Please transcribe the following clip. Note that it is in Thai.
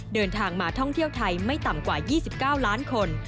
เดินทางมาท่องเที่ยวไทยไม่ต่ำกว่า๒๙ล้านคน